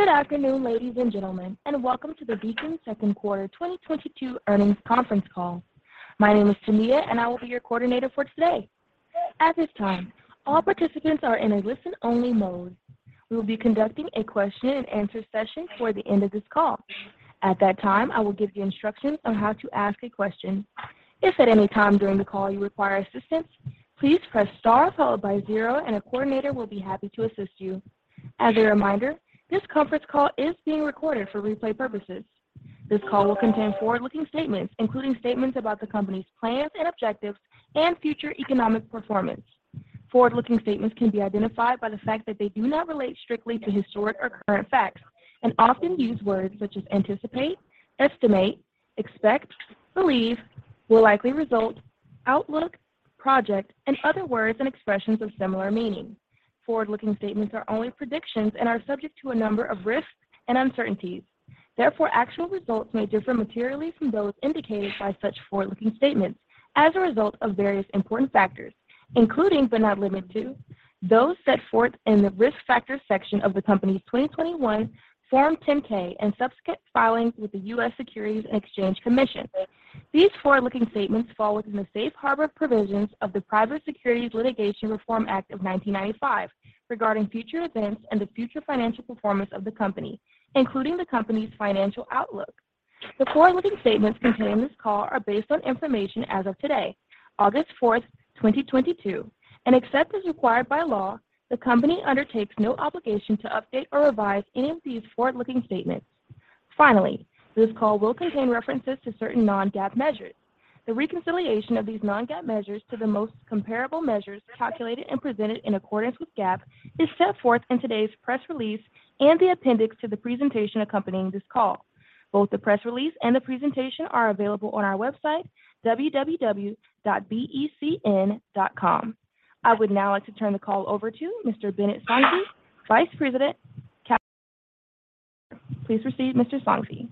Good afternoon, ladies and gentlemen, and welcome to the Beacon second quarter 2022 earnings conference call. My name is Tamia, and I will be your coordinator for today. At this time, all participants are in a listen-only mode. We will be conducting a question-and-answer session toward the end of this call. At that time, I will give you instructions on how to ask a question. If at any time during the call you require assistance, please press star followed by zero, and a coordinator will be happy to assist you. As a reminder, this conference call is being recorded for replay purposes. This call will contain forward-looking statements, including statements about the company's plans and objectives and future economic performance. Forward-looking statements can be identified by the fact that they do not relate strictly to historic or current facts, and often use words such as anticipate, estimate, expect, believe, will likely result, outlook, project, and other words and expressions of similar meaning. Forward-looking statements are only predictions and are subject to a number of risks and uncertainties. Therefore, actual results may differ materially from those indicated by such forward-looking statements as a result of various important factors, including but not limited to those set forth in the Risk Factors section of the company's 2021 Form 10-K and subsequent filings with the U.S. Securities and Exchange Commission. These forward-looking statements fall within the Safe Harbor provisions of the Private Securities Litigation Reform Act of 1995 regarding future events and the future financial performance of the company, including the company's financial outlook. The forward-looking statements contained in this call are based on information as of today, August 4th, 2022, and except as required by law, the company undertakes no obligation to update or revise any of these forward-looking statements. Finally, this call will contain references to certain non-GAAP measures. The reconciliation of these non-GAAP measures to the most comparable measures calculated and presented in accordance with GAAP is set forth in today's press release and the appendix to the presentation accompanying this call. Both the press release and the presentation are available on our website, www.becn.com. I would now like to turn the call over to Mr. Binit Sanghvi, Vice President, Capital Markets and Treasurer. Please proceed, Mr. Sanghvi.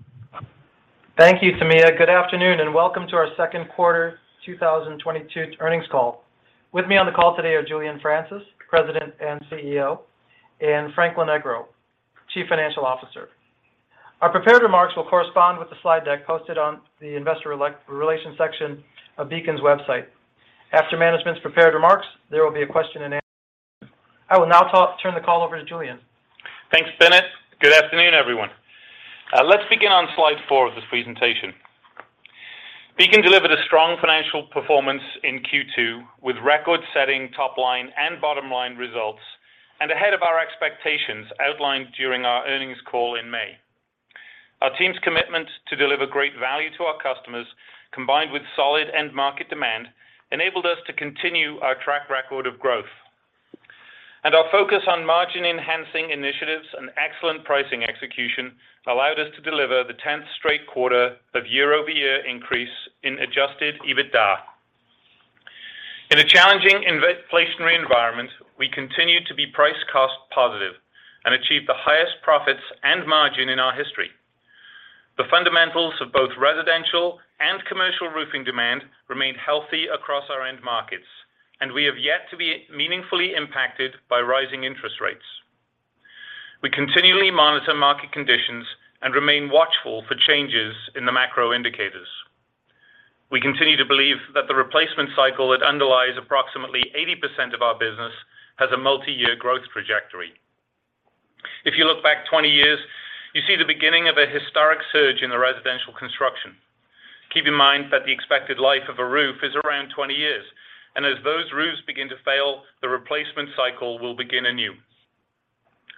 Thank you, Tamia. Good afternoon, and welcome to our second quarter 2022 earnings call. With me on the call today are Julian Francis, President and CEO, and Frank Lonegro, Chief Financial Officer. Our prepared remarks will correspond with the slide deck posted on the investor relations section of Beacon's website. After management's prepared remarks, there will be a question-and-answer. I will now turn the call over to Julian. Thanks, Binit. Good afternoon, everyone. Let's begin on slide four of this presentation. Beacon delivered a strong financial performance in Q2 with record-setting top line and bottom line results and ahead of our expectations outlined during our earnings call in May. Our team's commitment to deliver great value to our customers, combined with solid end market demand, enabled us to continue our track record of growth. Our focus on margin-enhancing initiatives and excellent pricing execution allowed us to deliver the 10th straight quarter of year-over-year increase in adjusted EBITDA. In a challenging inflationary environment, we continued to be price-cost positive and achieved the highest profits and margin in our history. The fundamentals of both residential and commercial roofing demand remained healthy across our end markets, and we have yet to be meaningfully impacted by rising interest rates. We continually monitor market conditions and remain watchful for changes in the macro indicators. We continue to believe that the replacement cycle that underlies approximately 80% of our business has a multiyear growth trajectory. If you look back 20 years, you see the beginning of a historic surge in the residential construction. Keep in mind that the expected life of a roof is around 20 years, and as those roofs begin to fail, the replacement cycle will begin anew.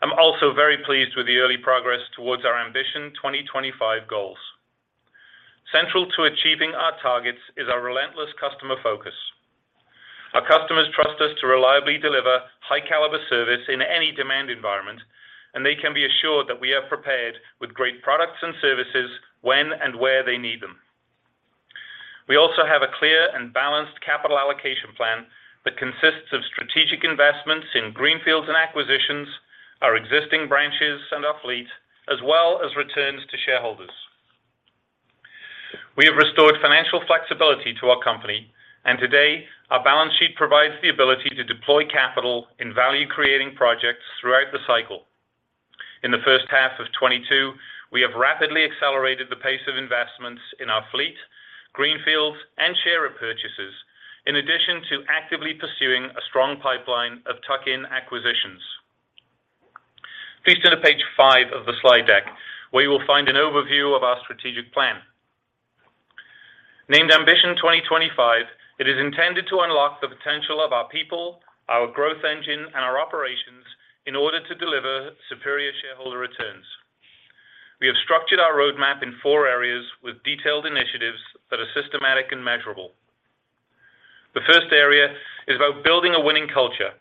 I'm also very pleased with the early progress towards our Ambition 2025 goals. Central to achieving our targets is our relentless customer focus. Our customers trust us to reliably deliver high-caliber service in any demand environment, and they can be assured that we are prepared with great products and services when and where they need them. We have a clear and balanced capital allocation plan that consists of strategic investments in greenfields and acquisitions, our existing branches and our fleet, as well as returns to shareholders. We have restored financial flexibility to our company, and today, our balance sheet provides the ability to deploy capital in value-creating projects throughout the cycle. In the first half of 2022, we have rapidly accelerated the pace of investments in our fleet, greenfields, and share repurchases, in addition to actively pursuing a strong pipeline of tuck-in acquisitions. Please turn to page five of the slide deck where you will find an overview of our strategic plan. Named Ambition 2025, it is intended to unlock the potential of our people, our growth engine, and our operations in order to deliver superior shareholder returns. We have structured our roadmap in four areas with detailed initiatives that are systematic and measurable. The first area is about building a winning culture.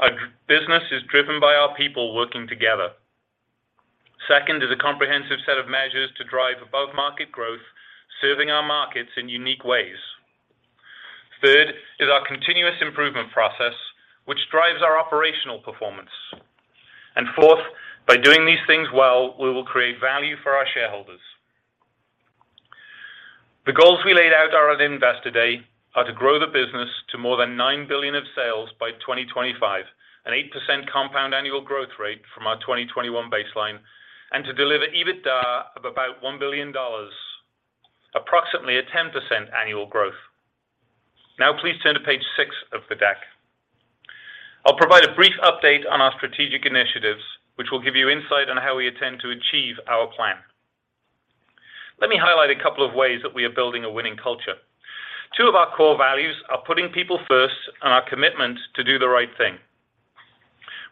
Our business is driven by our people working together. Second is a comprehensive set of measures to drive above-market growth, serving our markets in unique ways. Third is our continuous improvement process, which drives our operational performance. Fourth, by doing these things well, we will create value for our shareholders. The goals we laid out on Investor Day are to grow the business to more than $9 billion of sales by 2025, an 8% compound annual growth rate from our 2021 baseline, and to deliver EBITDA of about $1 billion, approximately a 10% annual growth. Now please turn to page six of the deck. I'll provide a brief update on our strategic initiatives, which will give you insight on how we intend to achieve our plan. Let me highlight a couple of ways that we are building a winning culture. Two of our core values are putting people first and our commitment to do the right thing.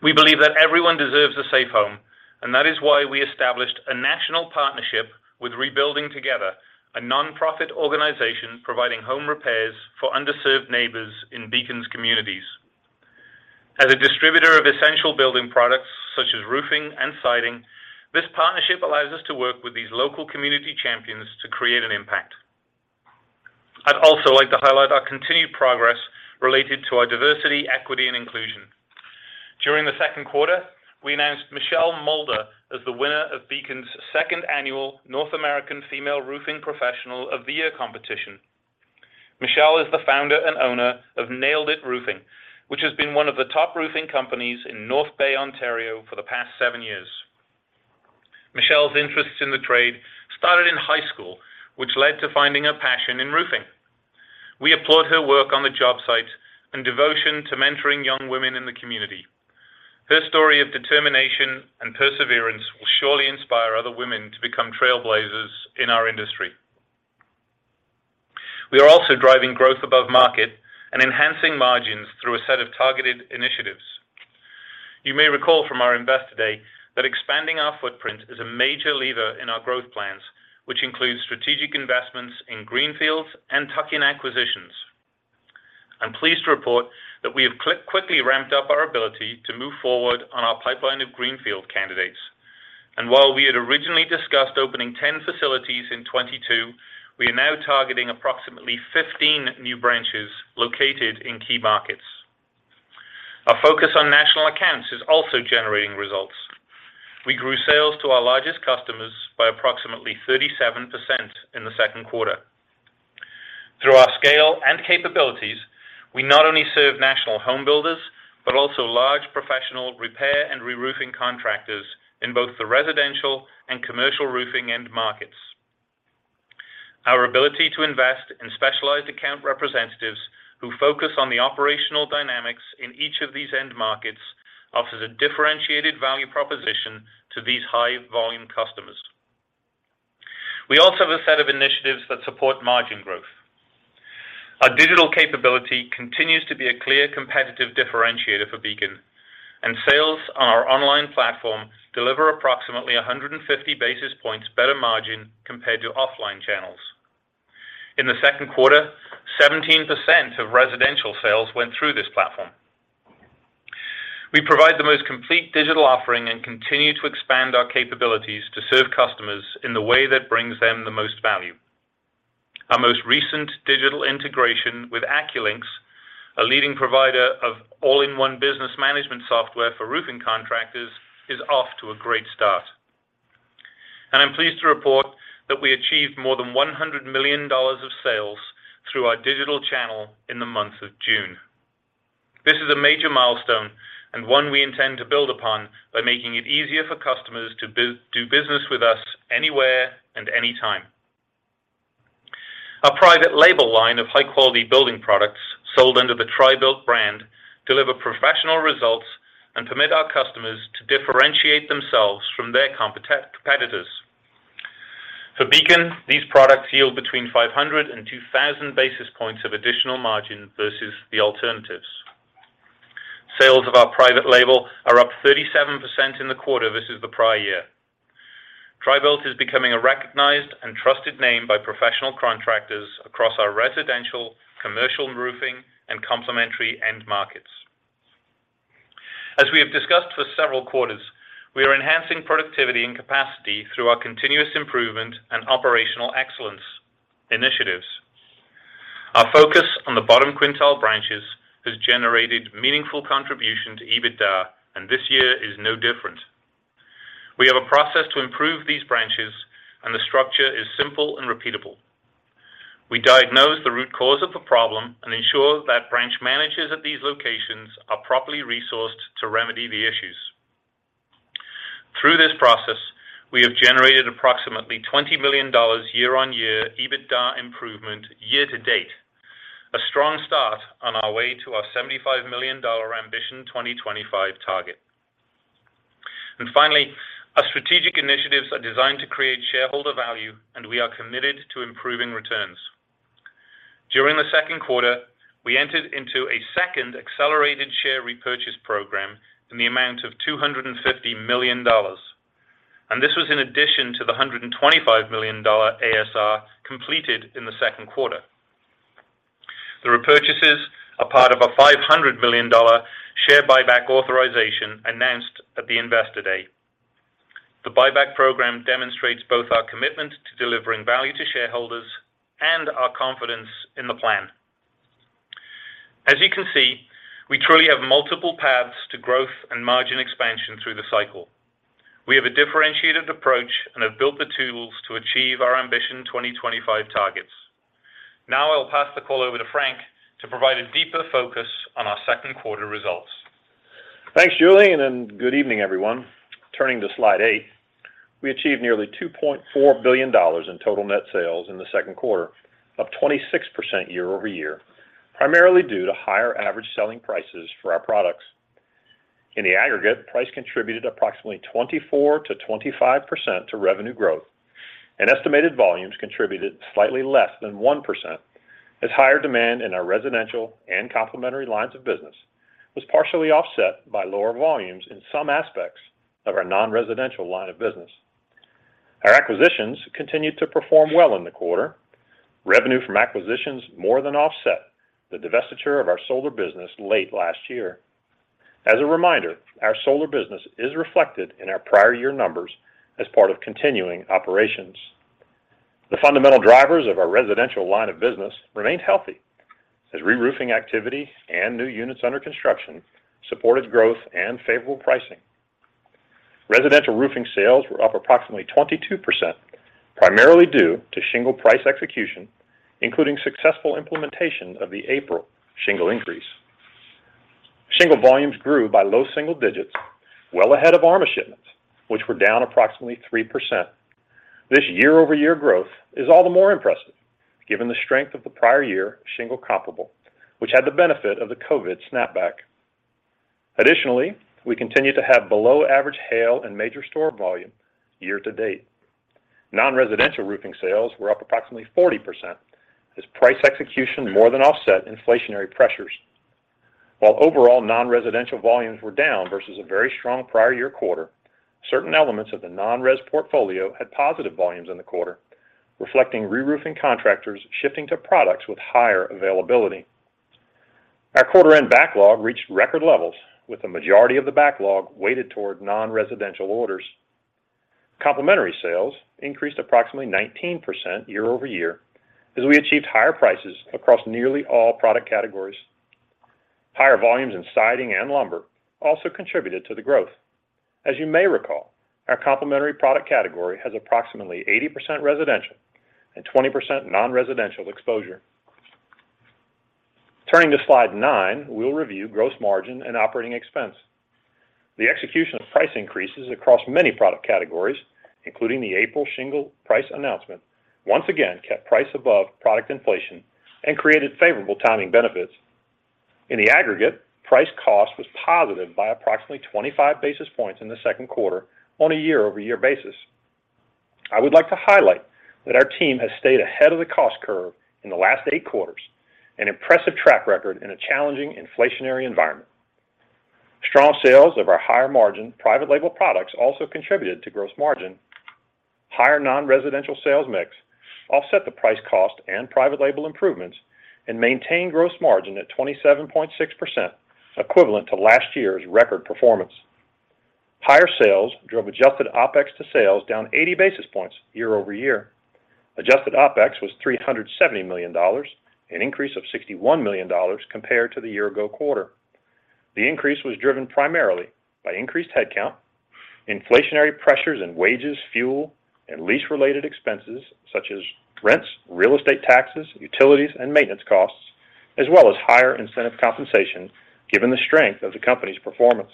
We believe that everyone deserves a safe home, and that is why we established a national partnership with Rebuilding Together, a nonprofit organization providing home repairs for underserved neighbors in Beacon's communities. As a distributor of essential building products such as roofing and siding, this partnership allows us to work with these local community champions to create an impact. I'd also like to highlight our continued progress related to our diversity, equity and inclusion. During the second quarter, we announced Michelle Mulder as the winner of Beacon's second annual North American Female Roofing Professional of the Year competition. Michelle is the Founder and Owner of Nailed It Roofing, which has been one of the top roofing companies in North Bay, Ontario for the past seven years. Michelle's interest in the trade started in high school, which led to finding a passion in roofing. We applaud her work on the job site and devotion to mentoring young women in the community. Her story of determination and perseverance will surely inspire other women to become trailblazers in our industry. We are also driving growth above market and enhancing margins through a set of targeted initiatives. You may recall from our Investor Day that expanding our footprint is a major lever in our growth plans, which includes strategic investments in greenfields and tuck-in acquisitions. I'm pleased to report that we have quickly ramped up our ability to move forward on our pipeline of greenfield candidates. While we had originally discussed opening 10 facilities in 2022, we are now targeting approximately 15 new branches located in key markets. Our focus on national accounts is also generating results. We grew sales to our largest customers by approximately 37% in the second quarter. Through our scale and capabilities, we not only serve national home builders, but also large professional repair and reroofing contractors in both the residential and commercial roofing end markets. Our ability to invest in specialized account representatives who focus on the operational dynamics in each of these end markets offers a differentiated value proposition to these high-volume customers. We also have a set of initiatives that support margin growth. Our digital capability continues to be a clear competitive differentiator for Beacon, and sales on our online platform deliver approximately 150 basis points better margin compared to offline channels. In the second quarter, 17% of residential sales went through this platform. We provide the most complete digital offering and continue to expand our capabilities to serve customers in the way that brings them the most value. Our most recent digital integration with AccuLynx, a leading provider of all-in-one business management software for roofing contractors, is off to a great start. I'm pleased to report that we achieved more than $100 million of sales through our digital channel in the month of June. This is a major milestone and one we intend to build upon by making it easier for customers to do business with us anywhere and anytime. Our private label line of high-quality building products sold under the TRI-BUILT brand deliver professional results and permit our customers to differentiate themselves from their competitors. For Beacon, these products yield between 500 basis points and 2,000 basis points of additional margin versus the alternatives. Sales of our private label are up 37% in the quarter versus the prior year. TRI-BUILT is becoming a recognized and trusted name by professional contractors across our residential, commercial roofing, and complementary end markets. As we have discussed for several quarters, we are enhancing productivity and capacity through our continuous improvement and operational excellence initiatives. Our focus on the bottom quintile branches has generated meaningful contribution to EBITDA, and this year is no different. We have a process to improve these branches, and the structure is simple and repeatable. We diagnose the root cause of the problem and ensure that branch managers at these locations are properly resourced to remedy the issues. Through this process, we have generated approximately $20 million year-on-year EBITDA improvement year to date, a strong start on our way to our $75 million Ambition 2025 target. Finally, our strategic initiatives are designed to create shareholder value, and we are committed to improving returns. During the second quarter, we entered into a second accelerated share repurchase program in the amount of $250 million, and this was in addition to the $125 million ASR completed in the second quarter. The repurchases are part of a $500 million share buyback authorization announced at the Investor Day. The buyback program demonstrates both our commitment to delivering value to shareholders and our confidence in the plan. As you can see, we truly have multiple paths to growth and margin expansion through the cycle. We have a differentiated approach and have built the tools to achieve our Ambition 2025 targets. Now, I'll pass the call over to Frank to provide a deeper focus on our second quarter results. Thanks, Julian, and good evening, everyone. Turning to slide eight. We achieved nearly $2.4 billion in total net sales in the second quarter of 26% year-over-year, primarily due to higher average selling prices for our products. In the aggregate, price contributed approximately 24%-25% to revenue growth and estimated volumes contributed slightly less than 1% as higher demand in our residential and complementary lines of business was partially offset by lower volumes in some aspects of our non-residential line of business. Our acquisitions continued to perform well in the quarter. Revenue from acquisitions more than offset the divestiture of our solar business late last year. As a reminder, our solar business is reflected in our prior year numbers as part of continuing operations. The fundamental drivers of our residential line of business remained healthy as reroofing activity and new units under construction supported growth and favorable pricing. Residential roofing sales were up approximately 22%, primarily due to shingle price execution, including successful implementation of the April shingle increase. Shingle volumes grew by low single digits well ahead of ARMA shipments, which were down approximately 3%. This year-over-year growth is all the more impressive given the strength of the prior year shingle comparable, which had the benefit of the COVID snapback. Additionally, we continue to have below-average hail and major store volume year-to-date. Non-residential roofing sales were up approximately 40% as price execution more than offset inflationary pressures. While overall non-residential volumes were down versus a very strong prior year quarter, certain elements of the non-res portfolio had positive volumes in the quarter, reflecting reroofing contractors shifting to products with higher availability. Our quarter end backlog reached record levels with the majority of the backlog weighted toward non-residential orders. Complementary sales increased approximately 19% year-over-year as we achieved higher prices across nearly all product categories. Higher volumes in siding and lumber also contributed to the growth. As you may recall, our complementary product category has approximately 80% residential and 20% non-residential exposure. Turning to slide nine, we'll review gross margin and operating expense. The execution of price increases across many product categories, including the April shingle price announcement, once again, kept price above product inflation and created favorable timing benefits. In the aggregate, price cost was positive by approximately 25 basis points in the second quarter on a year-over-year basis. I would like to highlight that our team has stayed ahead of the cost curve in the last eight quarters, an impressive track record in a challenging inflationary environment. Strong sales of our higher-margin private label products also contributed to gross margin. Higher non-residential sales mix offset the price cost and private label improvements and maintained gross margin at 27.6%, equivalent to last year's record performance. Higher sales drove adjusted OpEx to sales down 80 basis points year-over-year. Adjusted OpEx was $370 million, an increase of $61 million compared to the year ago quarter. The increase was driven primarily by increased headcount, inflationary pressures in wages, fuel, and lease-related expenses such as rents, real estate taxes, utilities, and maintenance costs, as well as higher incentive compensation, given the strength of the company's performance.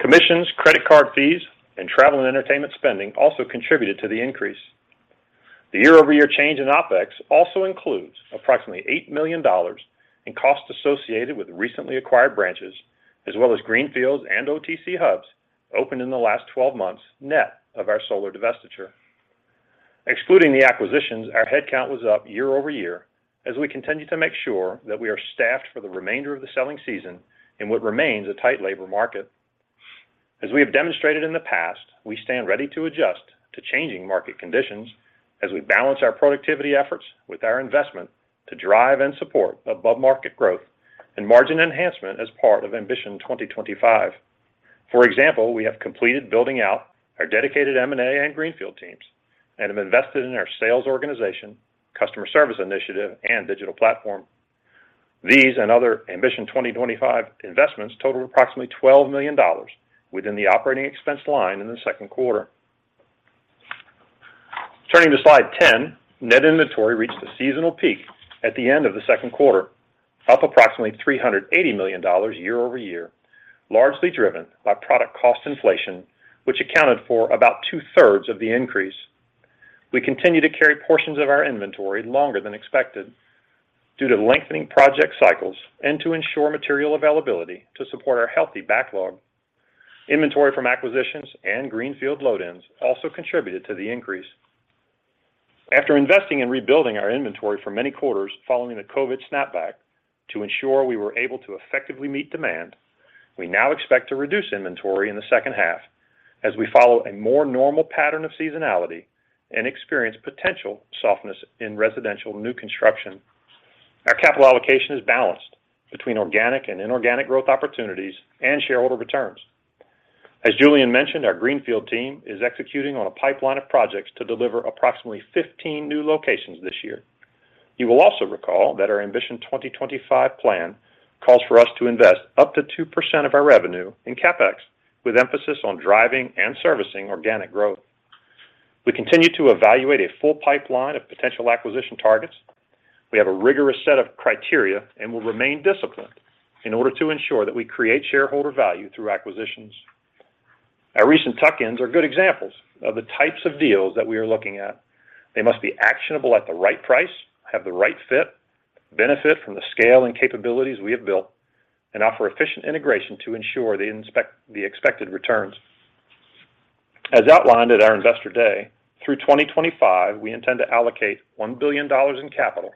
Commissions, credit card fees, and travel and entertainment spending also contributed to the increase. The year-over-year change in OpEx also includes approximately $8 million in costs associated with recently acquired branches, as well as greenfields and OTC hubs opened in the last 12 months, net of our solar divestiture. Excluding the acquisitions, our headcount was up year-over-year as we continue to make sure that we are staffed for the remainder of the selling season in what remains a tight labor market. As we have demonstrated in the past, we stand ready to adjust to changing market conditions as we balance our productivity efforts with our investment to drive and support above-market growth and margin enhancement as part of Ambition 2025. For example, we have completed building out our dedicated M&A and greenfield teams and have invested in our sales organization, customer service initiative, and digital platform. These and other Ambition 2025 investments totaled approximately $12 million within the operating expense line in the second quarter. Turning to slide 10, net inventory reached a seasonal peak at the end of the second quarter, up approximately $380 million year-over-year, largely driven by product cost inflation, which accounted for about 2/3 of the increase. We continue to carry portions of our inventory longer than expected due to lengthening project cycles and to ensure material availability to support our healthy backlog. Inventory from acquisitions and greenfield load-ins also contributed to the increase. After investing in rebuilding our inventory for many quarters following the COVID snapback to ensure we were able to effectively meet demand, we now expect to reduce inventory in the second half as we follow a more normal pattern of seasonality and experience potential softness in residential new construction. Our capital allocation is balanced between organic and inorganic growth opportunities and shareholder returns. Julian mentioned, our greenfield team is executing on a pipeline of projects to deliver approximately 15 new locations this year. You will also recall that our Ambition 2025 plan calls for us to invest up to 2% of our revenue in CapEx, with emphasis on driving and servicing organic growth. We continue to evaluate a full pipeline of potential acquisition targets. We have a rigorous set of criteria and will remain disciplined in order to ensure that we create shareholder value through acquisitions. Our recent tuck-ins are good examples of the types of deals that we are looking at. They must be actionable at the right price, have the right fit, benefit from the scale and capabilities we have built, and offer efficient integration to ensure the expected returns. As outlined at our Investor Day, through 2025, we intend to allocate $1 billion in capital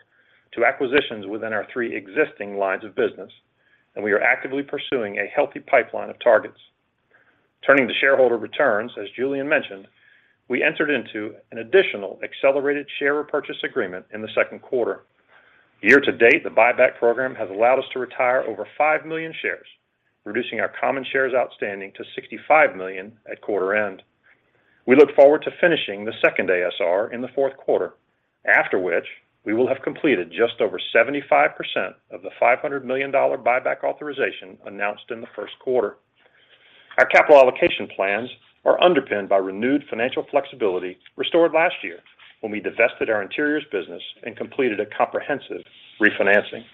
to acquisitions within our three existing lines of business, and we are actively pursuing a healthy pipeline of targets. Turning to shareholder returns, as Julian mentioned, we entered into an additional accelerated share repurchase agreement in the second quarter. Year to date, the buyback program has allowed us to retire over 5 million shares, reducing our common shares outstanding to 65 million at quarter end. We look forward to finishing the second ASR in the fourth quarter, after which we will have completed just over 75% of the $500 million buyback authorization announced in the first quarter. Our capital allocation plans are underpinned by renewed financial flexibility restored last year when we divested our interiors business and completed a comprehensive refinancing.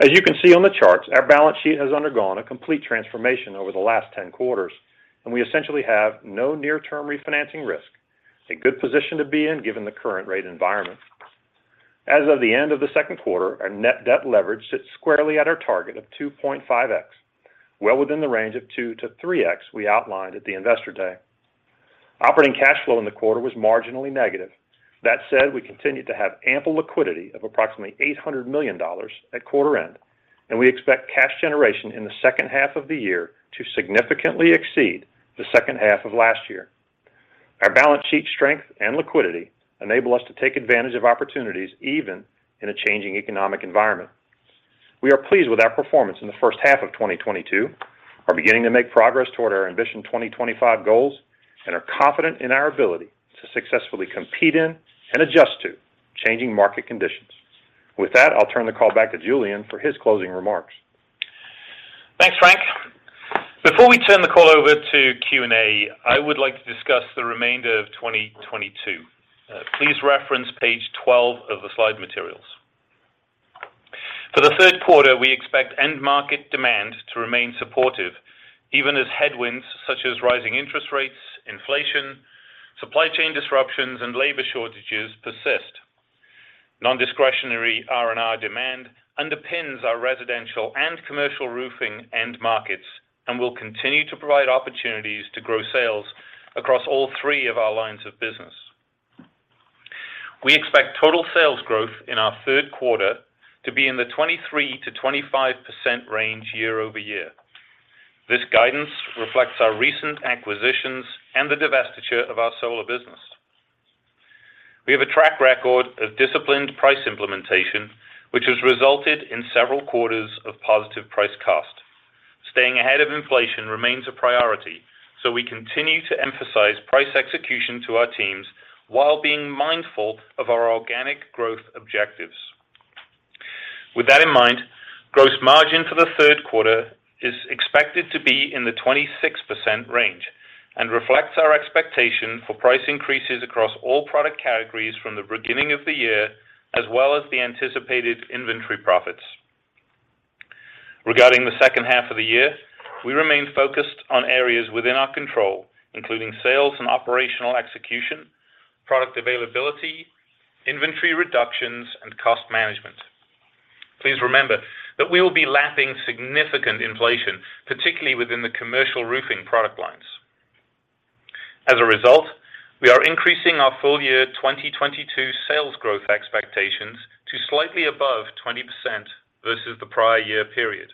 As you can see on the charts, our balance sheet has undergone a complete transformation over the last 10 quarters, and we essentially have no near term refinancing risk, a good position to be in given the current rate environment. As of the end of the second quarter, our net debt leverage sits squarely at our target of 2.5x, well within the range of 2x-3x we outlined at the Investor Day. Operating cash flow in the quarter was marginally negative. That said, we continued to have ample liquidity of approximately $800 million at quarter end, and we expect cash generation in the second half of the year to significantly exceed the second half of last year. Our balance sheet strength and liquidity enable us to take advantage of opportunities even in a changing economic environment. We are pleased with our performance in the first half of 2022, are beginning to make progress toward our Ambition 2025 goals, and are confident in our ability to successfully compete in and adjust to changing market conditions. With that, I'll turn the call back to Julian for his closing remarks. Thanks, Frank. Before we turn the call over to Q&A, I would like to discuss the remainder of 2022. Please reference page 12 of the slide materials. For the third quarter, we expect end market demand to remain supportive even as headwinds such as rising interest rates, inflation, supply chain disruptions, and labor shortages persist. Non-discretionary R&R demand underpins our residential and commercial roofing end markets and will continue to provide opportunities to grow sales across all three of our lines of business. We expect total sales growth in our third quarter to be in the 23%-25% range year-over-year. This guidance reflects our recent acquisitions and the divestiture of our solar business. We have a track record of disciplined price implementation, which has resulted in several quarters of positive price cost. Staying ahead of inflation remains a priority, so we continue to emphasize price execution to our teams while being mindful of our organic growth objectives. With that in mind, gross margin for the third quarter is expected to be in the 26% range and reflects our expectation for price increases across all product categories from the beginning of the year as well as the anticipated inventory profits. Regarding the second half of the year, we remain focused on areas within our control, including sales and operational execution, product availability, inventory reductions, and cost management. Please remember that we will be lapping significant inflation, particularly within the commercial roofing product lines. As a result, we are increasing our full year 2022 sales growth expectations to slightly above 20% versus the prior year period.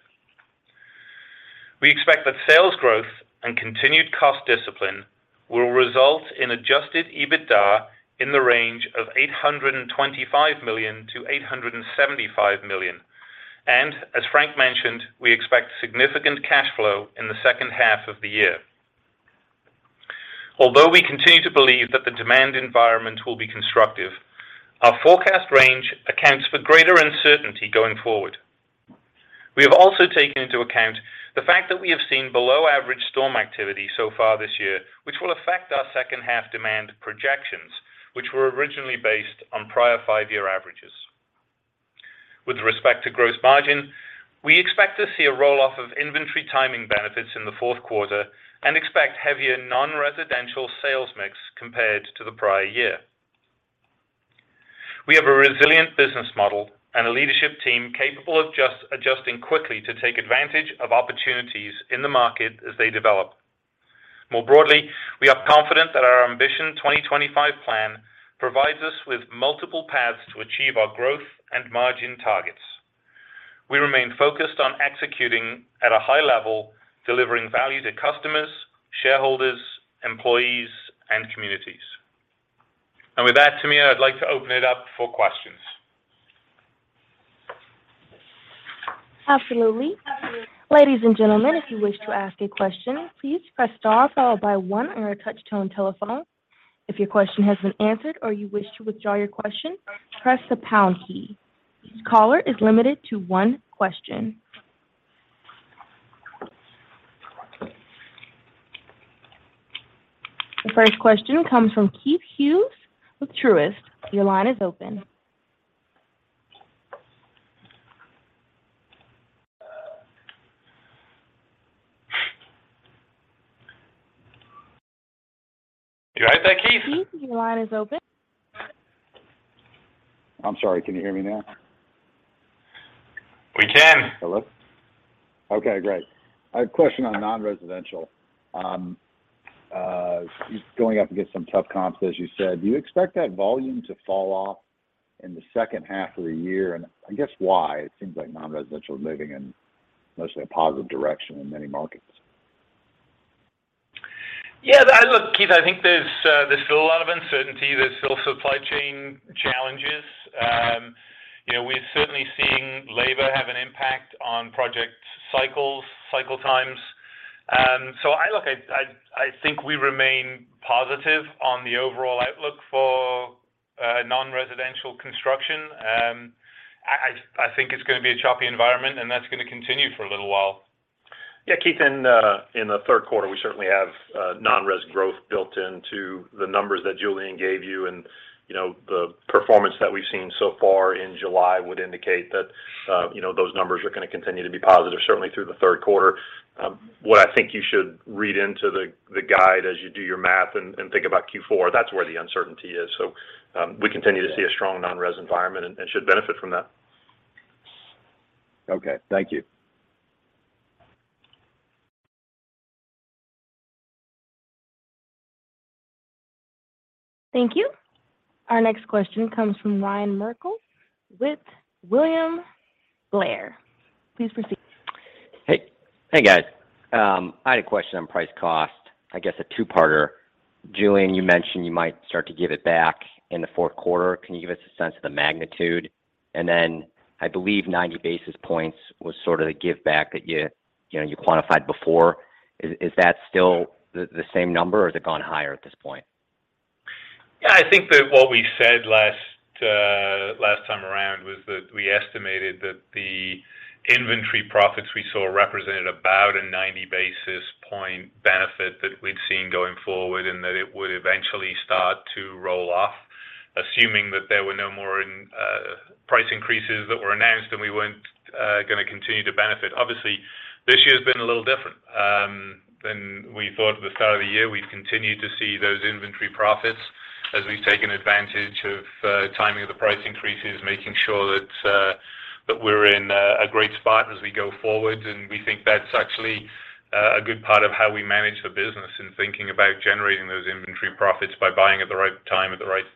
We expect that sales growth and continued cost discipline will result in adjusted EBITDA in the range of $825 million-$875 million. As Frank mentioned, we expect significant cash flow in the second half of the year. Although we continue to believe that the demand environment will be constructive, our forecast range accounts for greater uncertainty going forward. We have also taken into account the fact that we have seen below average storm activity so far this year, which will affect our second half demand projections, which were originally based on prior five-year averages. With respect to gross margin, we expect to see a roll-off of inventory timing benefits in the fourth quarter and expect heavier non-residential sales mix compared to the prior year. We have a resilient business model and a leadership team capable of just adjusting quickly to take advantage of opportunities in the market as they develop. More broadly, we are confident that our Ambition 2025 plan provides us with multiple paths to achieve our growth and margin targets. We remain focused on executing at a high level, delivering value to customers, shareholders, employees, and communities. With that, Tamia, I'd like to open it up for questions. Absolutely. Ladies and gentlemen, if you wish to ask a question, please press star followed by one on your touch tone telephone. If your question has been answered or you wish to withdraw your question, press the pound key. Each caller is limited to one question. The first question comes from Keith Hughes with Truist. Your line is open. You all right there, Keith? Keith, your line is open. I'm sorry. Can you hear me now? We can. Hello. Okay, great. I have a question on non-residential. Going up against some tough comps, as you said. Do you expect that volume to fall off in the second half of the year? I guess why? It seems like non-residential is moving in mostly a positive direction in many markets. Yeah. Look, Keith, I think there's still a lot of uncertainty. There's still supply chain challenges. You know, we're certainly seeing labor have an impact on project cycles, cycle times. I think we remain positive on the overall outlook for non-residential construction. I think it's gonna be a choppy environment, and that's gonna continue for a little while. Yeah, Keith, in the third quarter, we certainly have non-res growth built into the numbers that Julian gave you. You know, the performance that we've seen so far in July would indicate that you know, those numbers are gonna continue to be positive, certainly through the third quarter. What I think you should read into the guide as you do your math and think about Q4, that's where the uncertainty is. We continue to see a strong non-res environment and should benefit from that. Okay. Thank you. Thank you. Our next question comes from Ryan Merkel with William Blair. Please proceed. Hey. Hey, guys. I had a question on price cost. I guess a two-parter. Julian, you mentioned you might start to give it back in the fourth quarter. Can you give us a sense of the magnitude? I believe 90 basis points was sort of the give back that you know quantified before. Is that still the same number, or has it gone higher at this point? Yeah, I think that what we said last time around was that we estimated that the inventory profits we saw represented about a 90 basis point benefit that we'd seen going forward, and that it would eventually start to roll off, assuming that there were no more price increases that were announced and we weren't gonna continue to benefit. Obviously, this year's been a little different than we thought at the start of the year. We've continued to see those inventory profits as we've taken advantage of timing of the price increases, making sure that we're in a great spot as we go forward. We think that's actually a good part of how we manage the business and thinking about generating those inventory profits by buying at the right time, at the right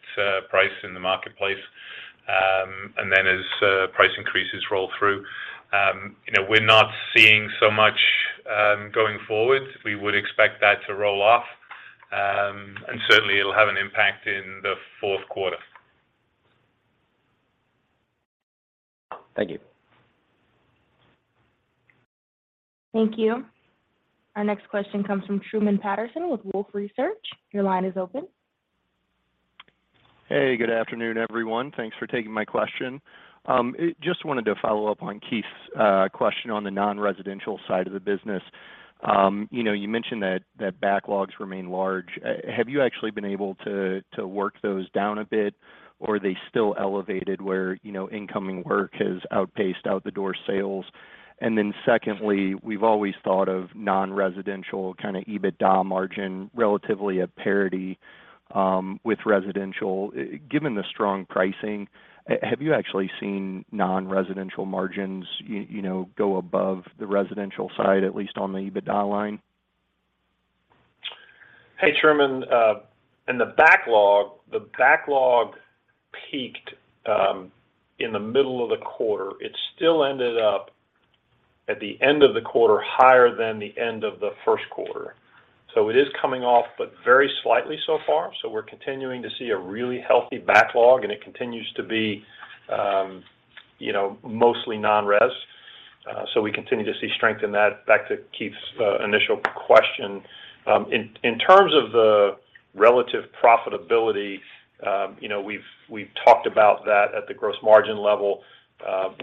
price in the marketplace. As price increases roll through, you know, we're not seeing so much going forward. We would expect that to roll off, and certainly it'll have an impact in the fourth quarter. Thank you. Thank you. Our next question comes from Truman Patterson with Wolfe Research. Your line is open. Hey, good afternoon, everyone. Thanks for taking my question. Just wanted to follow up on Keith's question on the non-residential side of the business. You know, you mentioned that backlogs remain large. Have you actually been able to work those down a bit, or are they still elevated where, you know, incoming work has outpaced out the door sales? Secondly, we've always thought of non-residential kind of EBITDA margin relatively at parity with residential. Given the strong pricing, have you actually seen non-residential margins, you know, go above the residential side, at least on the EBITDA line? Hey, Truman. The backlog peaked in the middle of the quarter. It still ended up at the end of the quarter higher than the end of the first quarter. It is coming off, but very slightly so far. We're continuing to see a really healthy backlog, and it continues to be, you know, mostly non-res. We continue to see strength in that. Back to Keith's initial question. In terms of the relative profitability, you know, we've talked about that at the gross margin level,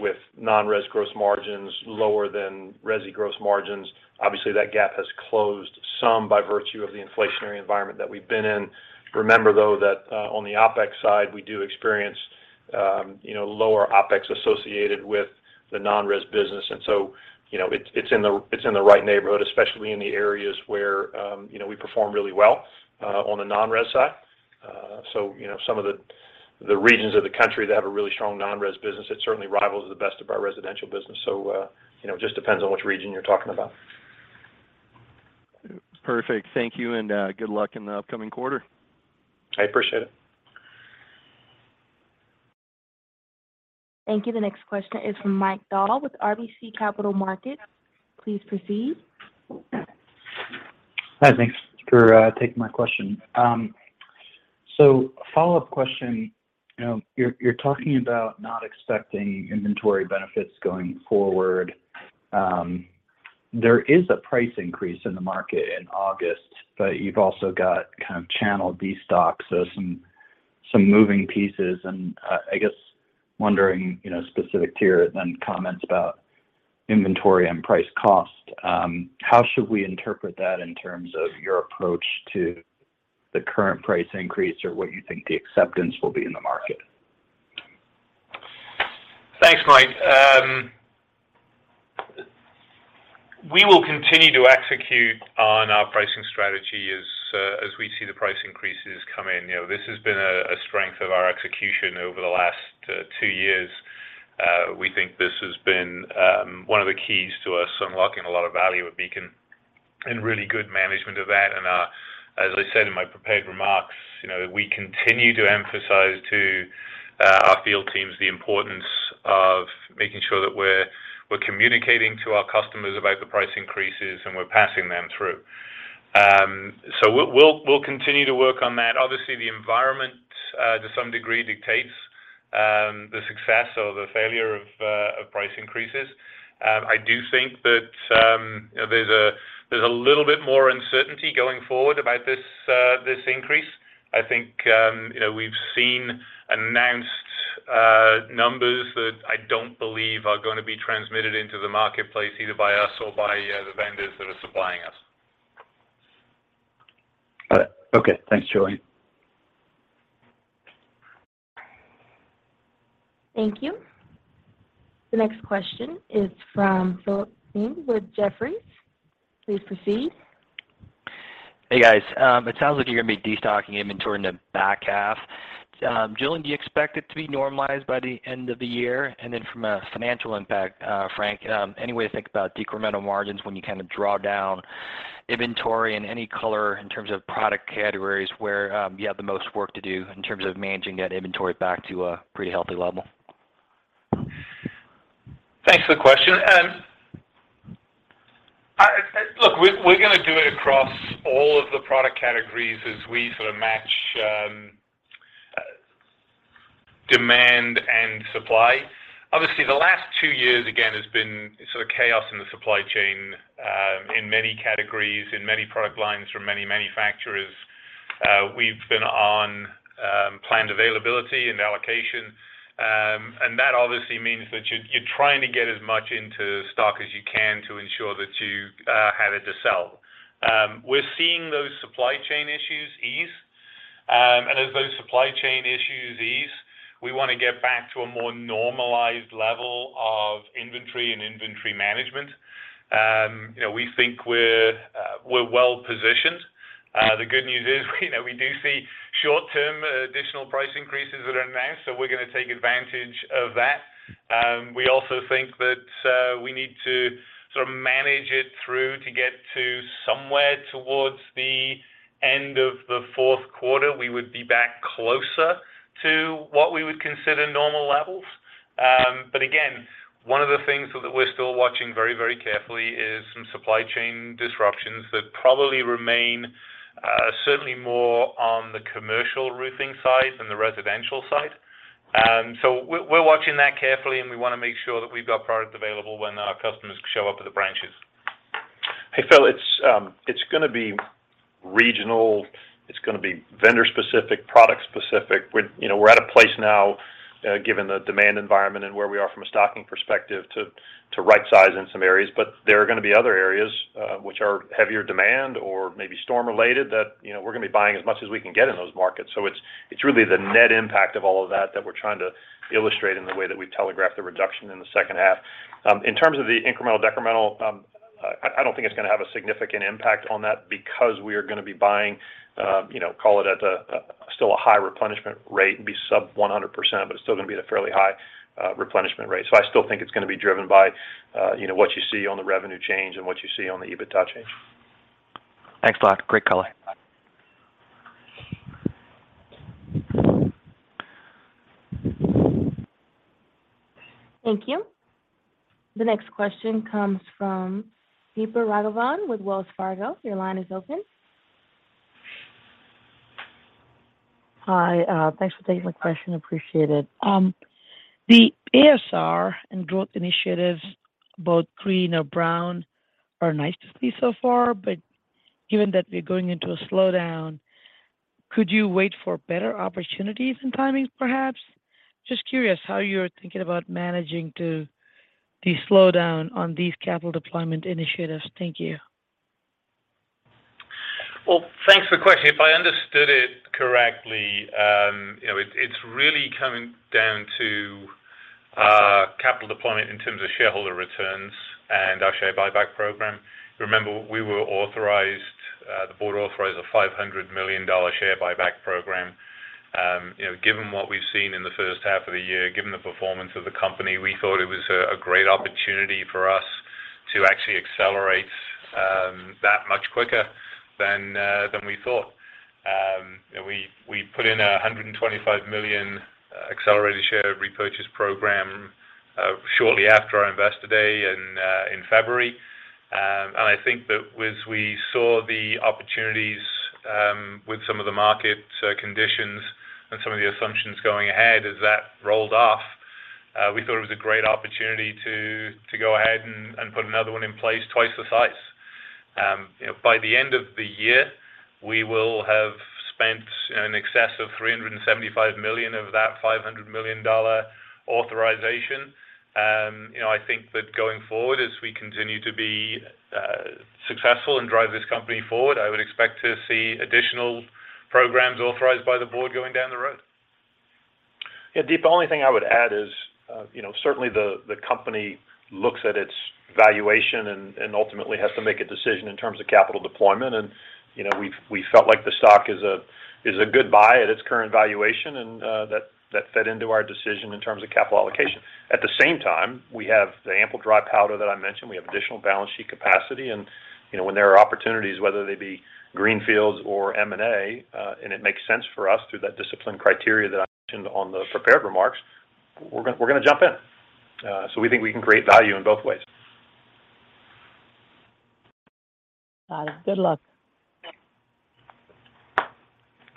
with non-res gross margins lower than resi gross margins. Obviously, that gap has closed some by virtue of the inflationary environment that we've been in. Remember, though, that on the OpEx side, we do experience, you know, lower OpEx associated with the non-res business. You know, it's in the right neighborhood, especially in the areas where you know, we perform really well on the non-res side. You know, some of the regions of the country that have a really strong non-res business, it certainly rivals the best of our residential business. You know, it just depends on which region you're talking about. Perfect. Thank you, and good luck in the upcoming quarter. I appreciate it. Thank you. The next question is from Mike Dahl with RBC Capital Markets. Please proceed. Hi, thanks for taking my question. Follow-up question. You're talking about not expecting inventory benefits going forward. There is a price increase in the market in August, but you've also got kind of channel destock. Some moving pieces. I guess wondering specific to your then comments about inventory and price cost, how should we interpret that in terms of your approach to the current price increase or what you think the acceptance will be in the market? Thanks, Mike. We will continue to execute on our pricing strategy as we see the price increases come in. You know, this has been a strength of our execution over the last two years. We think this has been one of the keys to us unlocking a lot of value at Beacon and really good management of that. As I said in my prepared remarks, you know, we continue to emphasize to our field teams the importance of making sure that we're communicating to our customers about the price increases and we're passing them through. We'll continue to work on that. Obviously, the environment to some degree dictates the success or the failure of price increases. I do think that, you know, there's a little bit more uncertainty going forward about this increase. I think, you know, we've seen announced numbers that I don't believe are gonna be transmitted into the marketplace, either by us or by the vendors that are supplying us. All right. Okay. Thanks, Julian. Thank you. The next question is from Philip Ng with Jefferies. Please proceed. Hey, guys. It sounds like you're gonna be destocking inventory in the back half. Julian, do you expect it to be normalized by the end of the year? From a financial impact, Frank, any way to think about decremental margins when you kind of draw down inventory and any color in terms of product categories where you have the most work to do in terms of managing that inventory back to a pretty healthy level? Thanks for the question. Look, we're gonna do it across all of the product categories as we sort of match demand and supply. Obviously, the last two years, again, has been sort of chaos in the supply chain in many categories, in many product lines from many manufacturers. We've been on planned availability and allocation. That obviously means that you're trying to get as much into stock as you can to ensure that you have it to sell. We're seeing those supply chain issues ease. As those supply chain issues ease, we wanna get back to a more normalized level of inventory and inventory management. You know, we think we're well-positioned. The good news is, you know, we do see short-term additional price increases that are announced, so we're gonna take advantage of that. We also think that we need to sort of manage it through to get to somewhere towards the end of the fourth quarter, we would be back closer to what we would consider normal levels. Again, one of the things that we're still watching very, very carefully is some supply chain disruptions that probably remain, certainly more on the commercial roofing side than the residential side. We're watching that carefully, and we wanna make sure that we've got product available when our customers show up at the branches. Hey, Phil, it's gonna be regional, it's gonna be vendor specific, product specific. You know, we're at a place now, given the demand environment and where we are from a stocking perspective to right-size in some areas. There are gonna be other areas, which are higher demand or maybe storm-related that, you know, we're gonna be buying as much as we can get in those markets. It's really the net impact of all of that that we're trying to illustrate in the way that we telegraphed the reduction in the second half. In terms of the incremental, decremental, I don't think it's gonna have a significant impact on that because we are gonna be buying, you know, call it at a still a high replenishment rate. It'd be sub 100%, but it's still gonna be at a fairly high replenishment rate. I still think it's gonna be driven by, you know, what you see on the revenue change and what you see on the EBITDA change. Thanks a lot. Great color. Thank you. The next question comes from Deepa Raghavan with Wells Fargo. Your line is open. Hi. Thanks for taking my question. Appreciate it. The ASR and growth initiatives, both green or brown, are nice to see so far, but given that we're going into a slowdown, could you wait for better opportunities and timings perhaps? Just curious how you're thinking about managing to the slowdown on these capital deployment initiatives. Thank you. Well, thanks for the question. If I understood it correctly, you know, it's really coming down to. I see. Capital deployment in terms of shareholder returns and our share buyback program. Remember, we were authorized, the board authorized a $500 million share buyback program. You know, given what we've seen in the first half of the year, given the performance of the company, we thought it was a great opportunity for us to actually accelerate that much quicker than than we thought. You know, we put in a $125 million accelerated share repurchase program, shortly after our Investor Day in February. I think that as we saw the opportunities, with some of the market conditions and some of the assumptions going ahead as that rolled off, we thought it was a great opportunity to go ahead and put another one in place twice the size. By the end of the year, we will have spent in excess of $375 million of that $500 million authorization. You know, I think that going forward, as we continue to be successful and drive this company forward, I would expect to see additional programs authorized by the board going down the road. Yeah, Deepa, the only thing I would add is, you know, certainly the company looks at its valuation and ultimately has to make a decision in terms of capital deployment. You know, we felt like the stock is a good buy at its current valuation, and that fed into our decision in terms of capital allocation. At the same time, we have ample dry powder that I mentioned. We have additional balance sheet capacity and, you know, when there are opportunities, whether they be greenfields or M&A, and it makes sense for us through that discipline criteria that I mentioned on the prepared remarks, we're gonna jump in. We think we can create value in both ways. Got it. Good luck.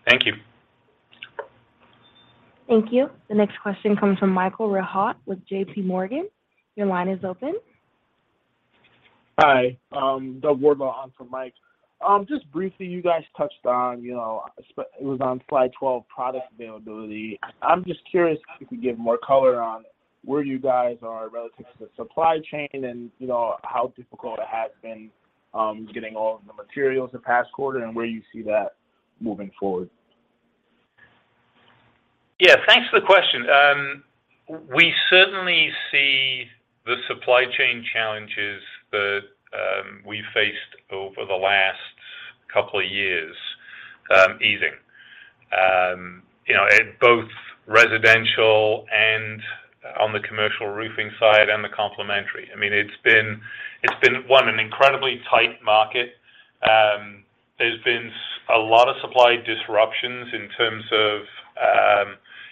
Thank you. Thank you. The next question comes from Michael Rehaut with JPMorgan. Your line is open. Hi. Doug Ward on for Mike. Just briefly, you guys touched on, you know, it was on slide 12, product availability. I'm just curious if you could give more color on where you guys are relative to the supply chain and, you know, how difficult it has been getting all of the materials the past quarter and where you see that moving forward. Yeah. Thanks for the question. We certainly see the supply chain challenges that we faced over the last couple of years easing, you know, at both residential and on the commercial roofing side and the complementary. I mean, it's been an incredibly tight market. There's been a lot of supply disruptions in terms of,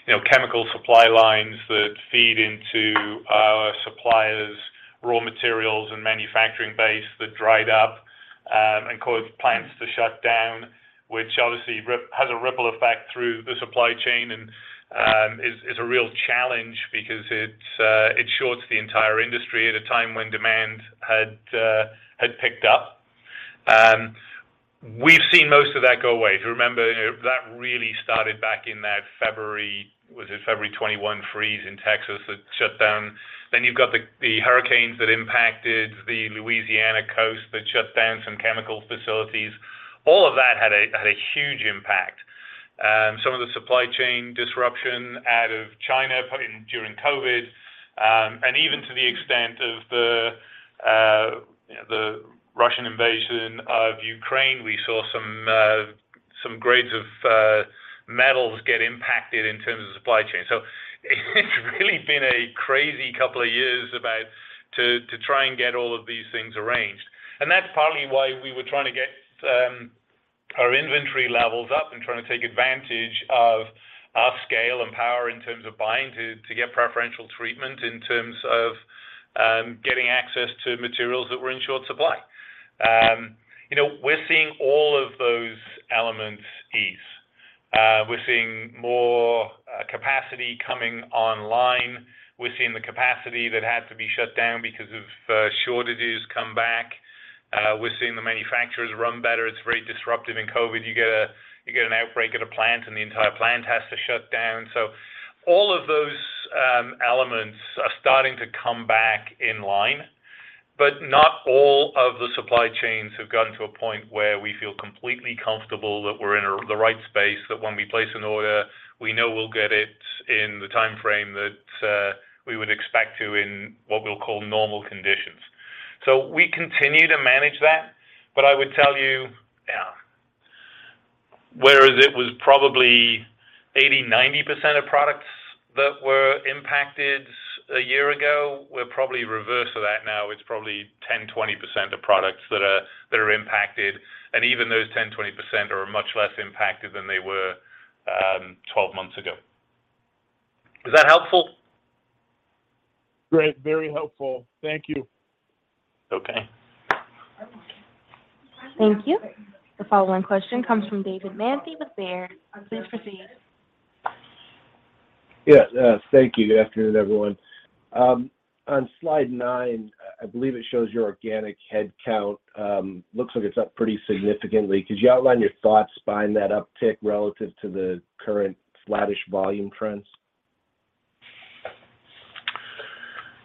you know, chemical supply lines that feed into our suppliers, raw materials, and manufacturing base that dried up and caused plants to shut down, which obviously has a ripple effect through the supply chain and is a real challenge because it shorts the entire industry at a time when demand had picked up. We've seen most of that go away. If you remember, that really started back in that February, was it February 2021 freeze in Texas that shut down. You've got the hurricanes that impacted the Louisiana coast that shut down some chemical facilities. All of that had a huge impact. Some of the supply chain disruption out of China during COVID, and even to the extent of the Russian invasion of Ukraine, we saw some grades of metals get impacted in terms of supply chain. It's really been a crazy couple of years about to try and get all of these things arranged. That's partly why we were trying to get our inventory levels up and trying to take advantage of our scale and power in terms of buying to get preferential treatment in terms of getting access to materials that were in short supply. You know, we're seeing all of those elements ease. We're seeing more capacity coming online. We're seeing the capacity that had to be shut down because of shortages come back. We're seeing the manufacturers run better. It's very disruptive in COVID. You get an outbreak at a plant, and the entire plant has to shut down. All of those elements are starting to come back in line, but not all of the supply chains have gotten to a point where we feel completely comfortable that we're in the right space, that when we place an order, we know we'll get it in the timeframe that we would expect to in what we'll call normal conditions. We continue to manage that. But I would tell you, whereas it was probably 80%-90% of products that were impacted a year ago, we're probably the reverse of that now. It's probably 10%-20% of products that are impacted, and even those 10%-20% are much less impacted than they were 12 months ago. Is that helpful? Great. Very helpful. Thank you. Okay. Thank you. The following question comes from David Manthey with Baird. Please proceed. Yeah. Thank you. Good afternoon, everyone. On slide nine, I believe it shows your organic head count. Looks like it's up pretty significantly. Could you outline your thoughts behind that uptick relative to the current flattish volume trends?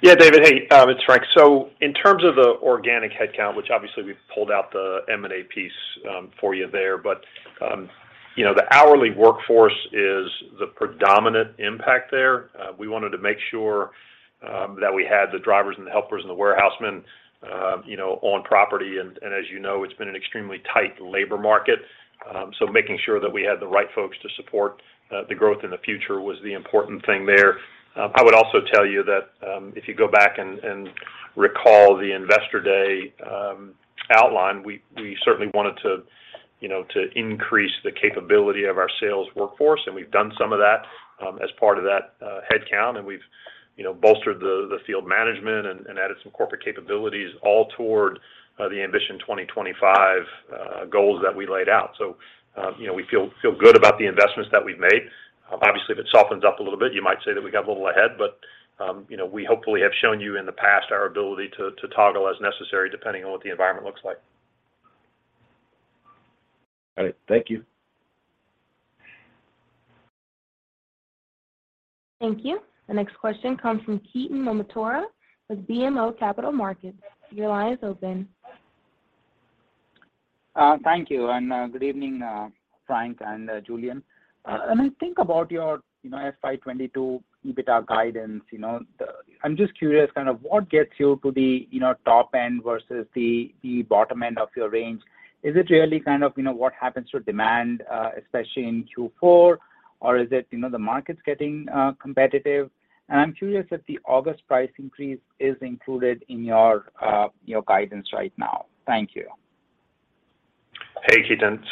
Yeah, David. Hey, it's Frank. In terms of the organic head count, which obviously we've pulled out the M&A piece, for you there, but, you know, the hourly workforce is the predominant impact there. We wanted to make sure that we had the drivers and the helpers and the warehousemen, you know, on property. And as you know, it's been an extremely tight labor market. Making sure that we had the right folks to support the growth in the future was the important thing there. I would also tell you that if you go back and recall the Investor Day outline, we certainly wanted to increase the capability of our sales workforce, and we've done some of that as part of that headcount. We've bolstered the field management and added some corporate capabilities all toward the Ambition 2025 goals that we laid out. You know, we feel good about the investments that we've made. Obviously, if it softens up a little bit, you might say that we got a little ahead, but you know, we hopefully have shown you in the past our ability to toggle as necessary, depending on what the environment looks like. Got it. Thank you. Thank you. The next question comes from Ketan Mamtora with BMO Capital Markets. Your line is open. Thank you. Good evening, Frank and Julian. When I think about your FY 2022 EBITDA guidance, you know, I'm just curious, kind of what gets you to the top end versus the bottom end of your range. Is it really kind of what happens to demand, especially in Q4? Or is it the market's getting competitive? I'm curious if the August price increase is included in your guidance right now. Thank you. Hey, Ketan.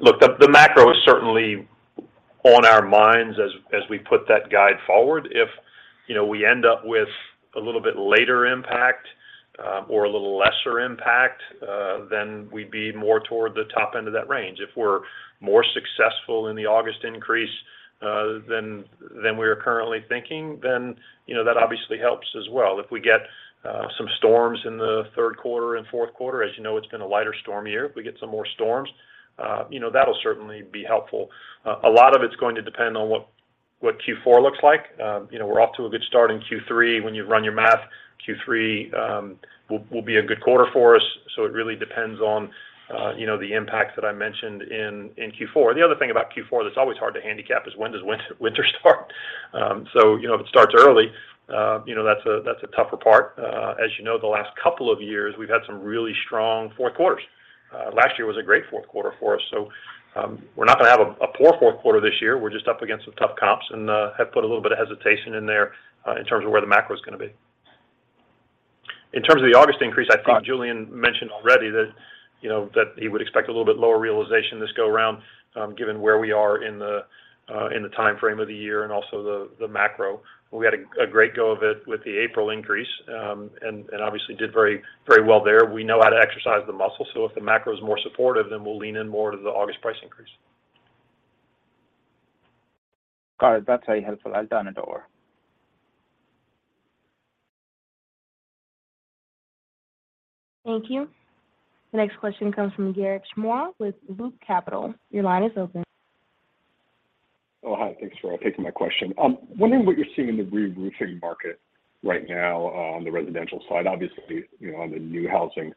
Look, the macro is certainly on our minds as we put that guide forward. If you know, we end up with a little bit later impact or a little lesser impact, then we'd be more toward the top end of that range. If we're more successful in the August increase than we are currently thinking, then you know, that obviously helps as well. If we get some storms in the third quarter and fourth quarter, as you know, it's been a lighter storm year. If we get some more storms, you know, that'll certainly be helpful. A lot of it's going to depend on what Q4 looks like. You know, we're off to a good start in Q3. When you run your math, Q3 will be a good quarter for us, so it really depends on you know, the impacts that I mentioned in Q4. The other thing about Q4 that's always hard to handicap is when does winter start? You know, if it starts early, you know, that's a tougher part. As you know, the last couple of years, we've had some really strong fourth quarters. Last year was a great fourth quarter for us. We're not gonna have a poor fourth quarter this year. We're just up against some tough comps and have put a little bit of hesitation in there in terms of where the macro is gonna be. In terms of the August increase, I think Julian mentioned already that, you know, that he would expect a little bit lower realization this go around, given where we are in the timeframe of the year and also the macro. We had a great go of it with the April increase, and obviously did very well there. We know how to exercise the muscle, so if the macro is more supportive, then we'll lean in more to the August price increase. Got it. That's very helpful. I'll turn it over. Thank you. The next question comes from Garik Shmois with Loop Capital. Your line is open. Oh, hi. Thanks for taking my question. Wondering what you're seeing in the reroofing market right now on the residential side. Obviously, you know, on the new housing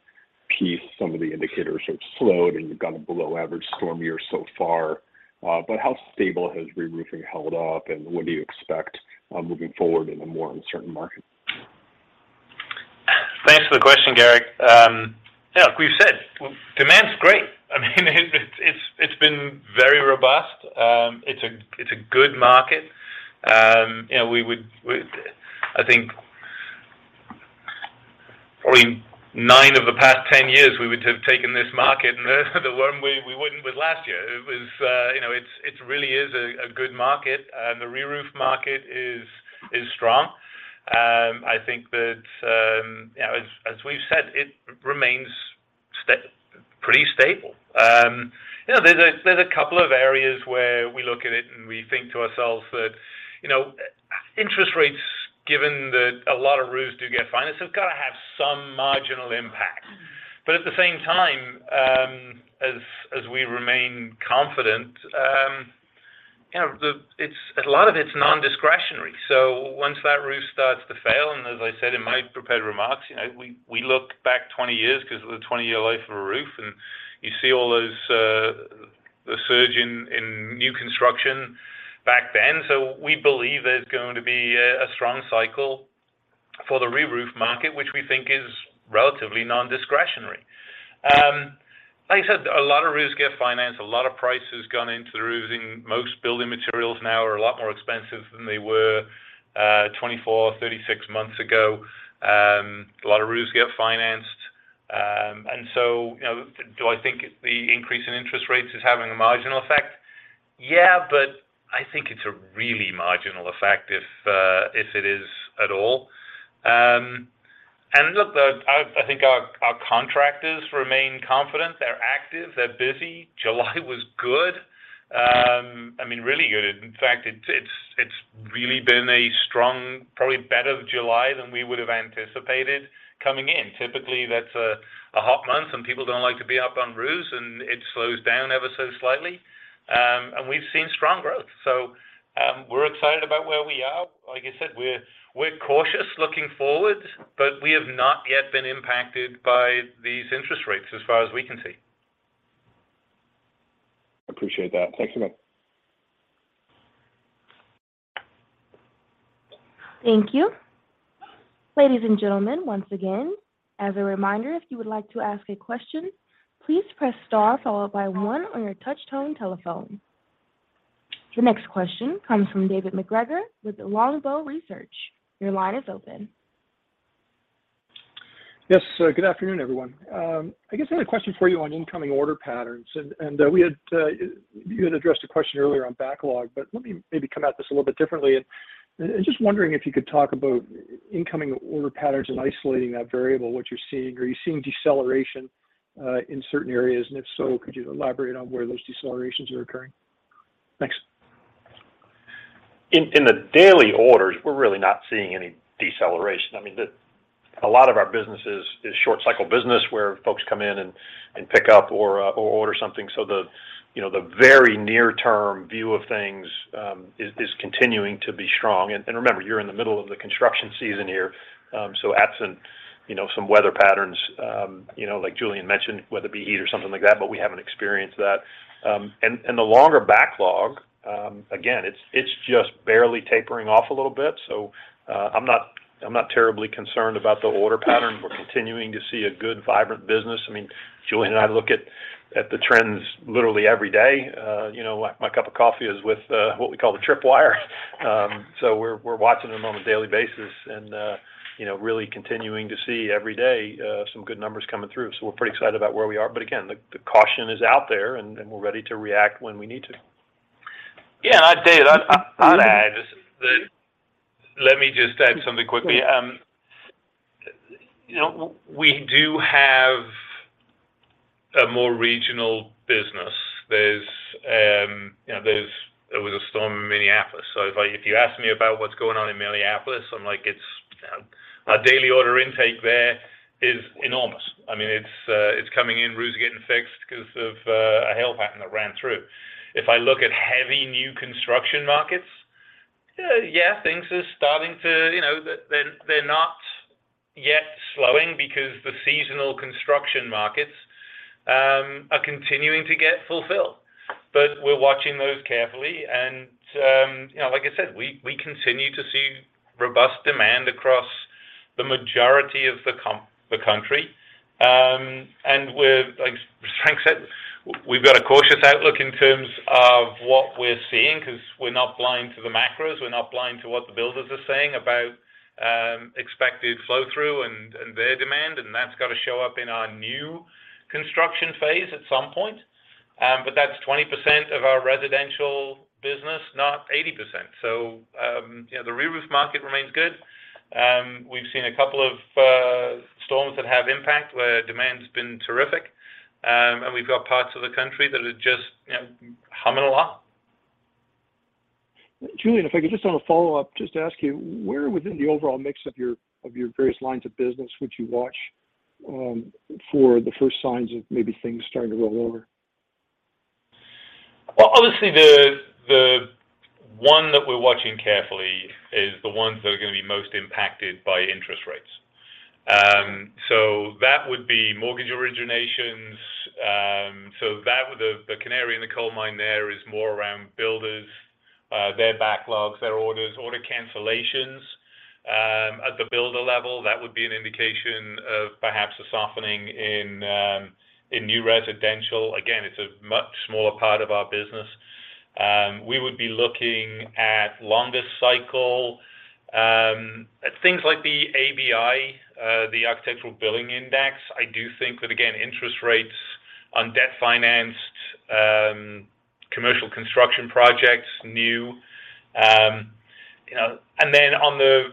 piece, some of the indicators have slowed, and you've got a below-average storm year so far. How stable has reroofing held up, and what do you expect moving forward in a more uncertain market? Thanks for the question, Garik. Yeah, like we've said, demand's great. I mean, it's been very robust. It's a good market. You know, we would. I think probably nine of the past 10 years we would have taken this market, and the one we wouldn't was last year. It was. You know, it's really a good market. The reroof market is strong. I think that, you know, as we've said, it remains pretty stable. You know, there's a couple of areas where we look at it, and we think to ourselves that, you know, interest rates, given that a lot of roofs do get financed, have gotta have some marginal impact. At the same time, as we remain confident, you know, it's a lot of it's non-discretionary. Once that roof starts to fail, and as I said in my prepared remarks, you know, we look back 20 years 'cause of the 20-year life of a roof. You see all those, the surge in new construction back then. We believe there's going to be a strong cycle for the reroof market, which we think is relatively non-discretionary. Like you said, a lot of roofs get financed, a lot of price has gone into the roofing. Most building materials now are a lot more expensive than they were 24 months, 36 months ago. A lot of roofs get financed. You know, do I think the increase in interest rates is having a marginal effect? Yeah, I think it's a really marginal effect if it is at all. Look, I think our contractors remain confident. They're active. They're busy. July was good. I mean, really good. In fact, it's really been a strong, probably better July than we would have anticipated coming in. Typically, that's a hot month, and people don't like to be up on roofs, and it slows down ever so slightly. We've seen strong growth. We're excited about where we are. Like I said, we're cautious looking forward, but we have not yet been impacted by these interest rates as far as we can see. Appreciate that. Thanks a lot. Thank you. Ladies and gentlemen, once again, as a reminder, if you would like to ask a question, please press star followed by one on your touch-tone telephone. The next question comes from David MacGregor with Longbow Research. Your line is open. Yes. Good afternoon, everyone. I guess I had a question for you on incoming order patterns. You had addressed a question earlier on backlog, but let me maybe come at this a little bit differently. Just wondering if you could talk about incoming order patterns and isolating that variable, what you're seeing. Are you seeing deceleration in certain areas? If so, could you elaborate on where those decelerations are occurring? Thanks. In the daily orders, we're really not seeing any deceleration. I mean, a lot of our business is short cycle business where folks come in and pick up or order something. So you know, the very near term view of things is continuing to be strong. Remember, you're in the middle of the construction season here, so absent you know, some weather patterns, you know, like Julian mentioned, weather it be heat or something like that, but we haven't experienced that. The longer backlog, again, it's just barely tapering off a little bit. I'm not terribly concerned about the order pattern. We're continuing to see a good, vibrant business. I mean, Julian and I look at the trends literally every day. You know, my cup of coffee is with what we call the tripwire. We're watching them on a daily basis and, you know, really continuing to see every day some good numbers coming through. We're pretty excited about where we are. Again, the caution is out there and we're ready to react when we need to. Yeah. I'd add that, Dave. Let me just add something quickly. You know, we do have a more regional business. There was a storm in Minneapolis. So if you ask me about what's going on in Minneapolis, I'm like, it's our daily order intake there is enormous. I mean, it's coming in, roofs are getting fixed because of a hail pattern that ran through. If I look at heavy new construction markets, things are starting to, you know. They're not yet slowing because the seasonal construction markets are continuing to get fulfilled. But we're watching those carefully and, you know, like I said, we continue to see robust demand across the majority of the country. We're, like Frank said, we've got a cautious outlook in terms of what we're seeing because we're not blind to the macros. We're not blind to what the builders are saying about expected flow through and their demand, and that's got to show up in our new construction phase at some point. That's 20% of our residential business, not 80%. You know, the re-roof market remains good. We've seen a couple of storms that have impact where demand's been terrific. We've got parts of the country that are just, you know, humming along. Julian, if I could just on a follow-up, just ask you, where within the overall mix of your various lines of business would you watch for the first signs of maybe things starting to roll over? Well, obviously the one that we're watching carefully is the ones that are gonna be most impacted by interest rates. That would be mortgage originations. That would be the canary in the coal mine there, more around builders, their backlogs, their orders, order cancellations. At the builder level, that would be an indication of perhaps a softening in new residential. Again, it's a much smaller part of our business. We would be looking at longest cycle at things like the ABI, the Architecture Billings Index. I do think that again, interest rates on debt financed commercial construction projects, new, you know. On the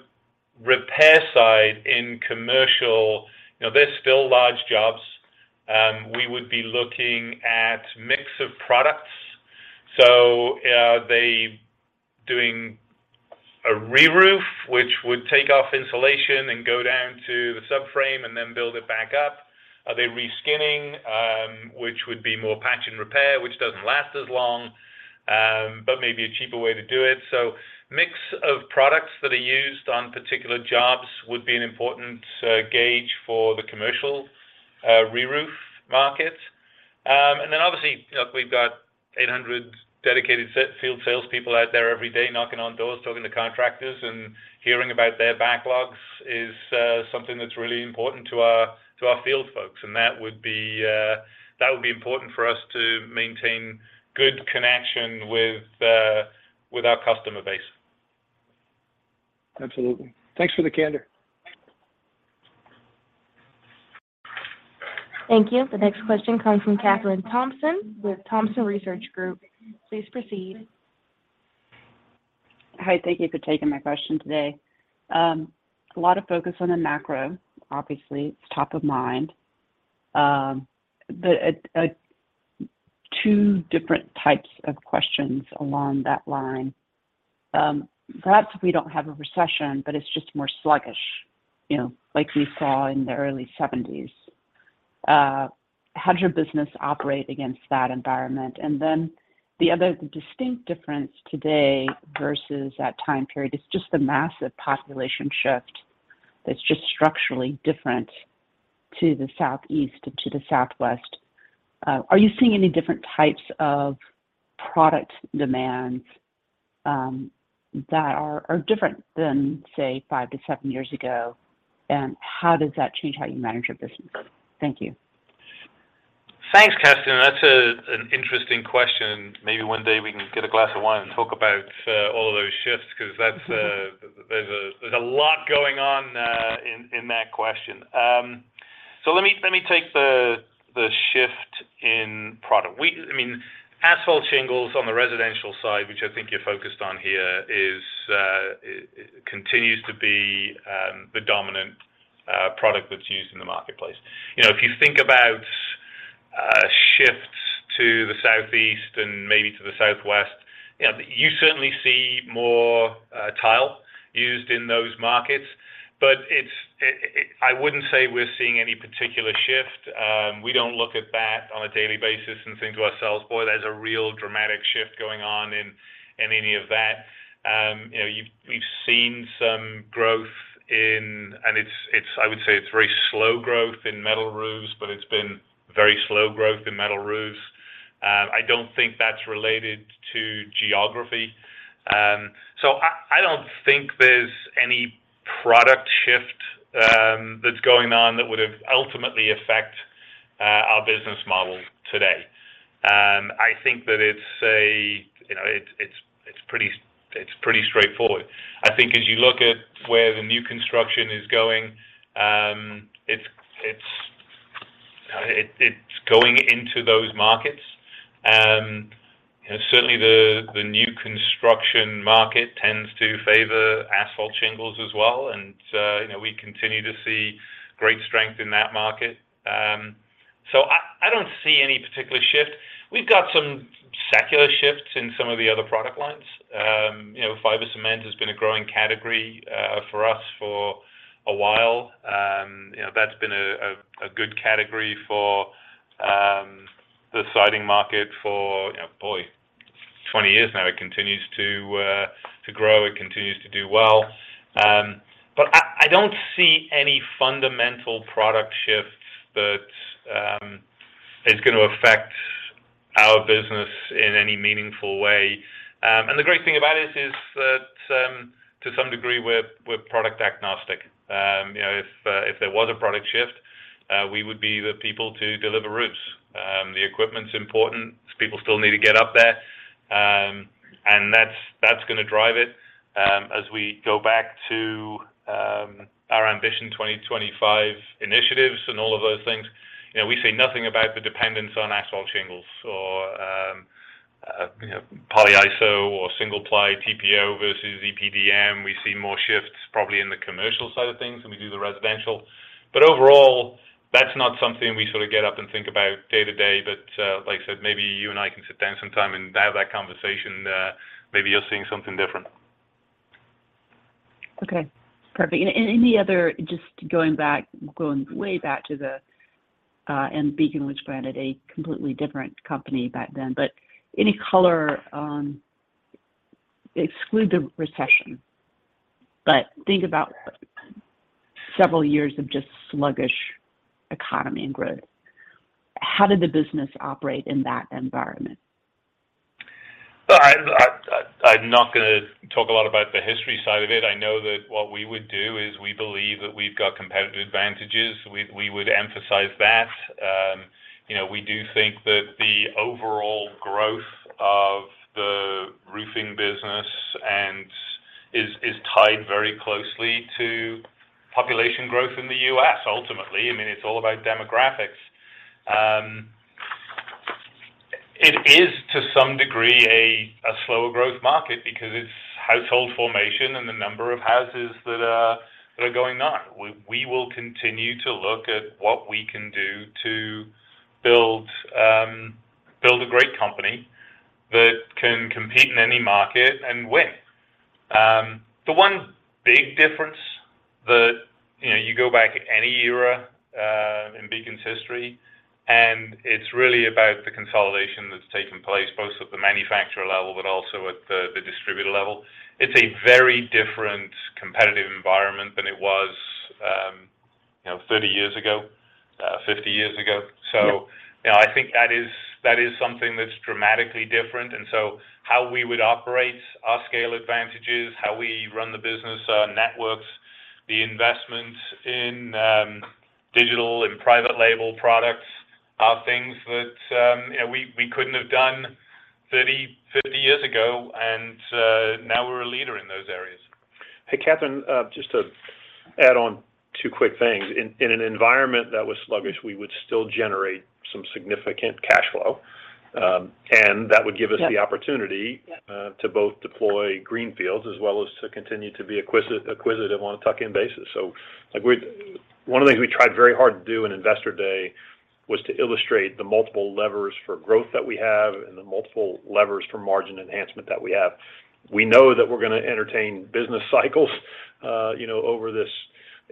repair side in commercial, you know, they're still large jobs. We would be looking at mix of products. Are they doing a re-roof, which would take off insulation and go down to the subframe and then build it back up? Are they re-skinning, which would be more patch and repair, which doesn't last as long, but may be a cheaper way to do it. Mix of products that are used on particular jobs would be an important gauge for the commercial re-roof market. Obviously, we've got 800 dedicated field salespeople out there every day knocking on doors, talking to contractors and hearing about their backlogs is something that's really important to our field folks. That would be important for us to maintain good connection with our customer base. Absolutely. Thanks for the candor. Thank you. The next question comes from Kathryn Thompson with Thompson Research Group. Please proceed. Hi. Thank you for taking my question today. A lot of focus on the macro. Obviously, it's top of mind. But two different types of questions along that line. Perhaps if we don't have a recession, but it's just more sluggish, you know, like we saw in the early 1970s, how does your business operate against that environment? The other distinct difference today versus that time period is just the massive population shift that's just structurally different to the southeast and to the southwest. Are you seeing any different types of product demands that are different than, say, five to seven years ago? And how does that change how you manage your business? Thank you. Thanks, Kathryn. That's an interesting question. Maybe one day we can get a glass of wine and talk about all of those shifts because that's, there's a lot going on in that question. Let me take the shift in product. I mean, asphalt shingles on the residential side, which I think you're focused on here, is continues to be the dominant product that's used in the marketplace. You know, if you think about shifts to the Southeast and maybe to the Southwest, you know, you certainly see more tile used in those markets. But it's, I wouldn't say we're seeing any particular shift. We don't look at that on a daily basis and think to ourselves, "Boy, there's a real dramatic shift going on in any of that." You know, we've seen some growth in. I would say it's very slow growth in metal roofs, but it's been very slow growth in metal roofs. I don't think that's related to geography. I don't think there's any product shift that's going on that would have ultimately affect our business model today. I think that it's a, you know, it's pretty straightforward. I think as you look at where the new construction is going, it's going into those markets. You know, certainly the new construction market tends to favor Asphalt shingles as well. You know, we continue to see great strength in that market. I don't see any particular shift. We've got some secular shifts in some of the other product lines. You know, fiber cement has been a growing category for us for a while. You know, that's been a good category for the siding market for, you know, boy, 20 years now. It continues to grow, it continues to do well. I don't see any fundamental product shift that is gonna affect our business in any meaningful way. The great thing about it is that to some degree, we're product agnostic. You know, if there was a product shift, we would be the people to deliver roofs. The equipment's important, because people still need to get up there. That's gonna drive it. As we go back to our Ambition 2025 initiatives and all of those things, you know, we say nothing about the dependence on Asphalt shingles or, you know, Polyiso or single-ply TPO versus EPDM. We see more shifts probably in the commercial side of things than we do the residential. Overall, that's not something we sort of get up and think about day-to-day. Like I said, maybe you and I can sit down sometime and have that conversation. Maybe you're seeing something different. Okay. Perfect. Just going back, going way back to then, and Beacon was, granted, a completely different company back then. Any color, exclude the recession, but think about several years of just sluggish economy and growth. How did the business operate in that environment? I’m not gonna talk a lot about the history side of it. I know that what we would do is we believe that we've got competitive advantages. We would emphasize that. You know, we do think that the overall growth of the roofing business, and it is tied very closely to population growth in the U.S., ultimately. I mean, it's all about demographics. It is to some degree a slower growth market because it's household formation and the number of houses that are going on. We will continue to look at what we can do to build a great company that can compete in any market and win. The one big difference that, you know, you go back any era in Beacon's history, and it's really about the consolidation that's taken place, both at the manufacturer level, but also at the distributor level. It's a very different competitive environment than it was, you know, 30 years ago, 50 years ago. Yeah. You know, I think that is something that's dramatically different. How we would operate our scale advantages, how we run the business, our networks, the investment in digital and private label products are things that, you know, we couldn't have done 30 years, 50 years ago. Now we're a leader in those areas. Hey, Kathryn, just to add on two quick things. In an environment that was sluggish, we would still generate some significant cash flow. That would give us- Yeah. the opportunity- Yeah. to both deploy greenfields as well as to continue to be acquisitive on a tuck-in basis. One of the things we tried very hard to do in Investor Day was to illustrate the multiple levers for growth that we have and the multiple levers for margin enhancement that we have. We know that we're gonna entertain business cycles, you know, over this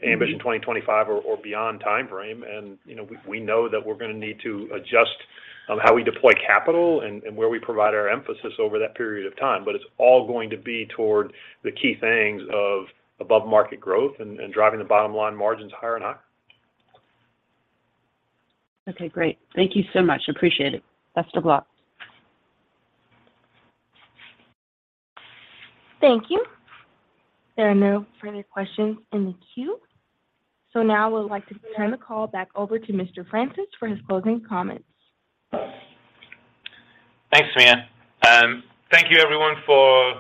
Ambition 2025 or beyond timeframe. You know, we know that we're gonna need to adjust on how we deploy capital and where we provide our emphasis over that period of time. It's all going to be toward the key things of above-market growth and driving the bottom line margins higher and higher. Okay, great. Thank you so much. Appreciate it. Best of luck. Thank you. There are no further questions in the queue. Now we'd like to turn the call back over to Mr. Francis for his closing comments. Thanks, Tamia. Thank you everyone for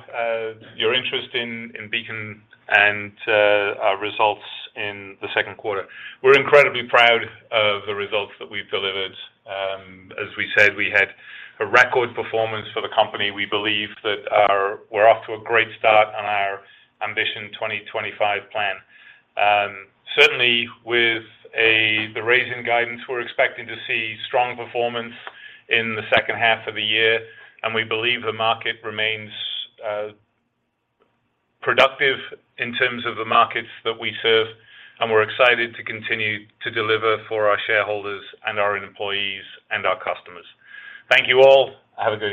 your interest in Beacon and our results in the second quarter. We're incredibly proud of the results that we've delivered. As we said, we had a record performance for the company. We believe that we're off to a great start on our Ambition 2025 plan. Certainly with the raise in guidance, we're expecting to see strong performance in the second half of the year. We believe the market remains productive in terms of the markets that we serve. We're excited to continue to deliver for our shareholders and our employees and our customers. Thank you all. Have a good day.